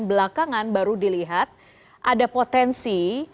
belakangan baru dilihat ada potensi